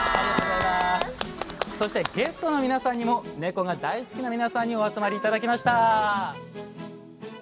そしてゲストの皆さんにもネコが大好きな皆さんにお集まり頂きました！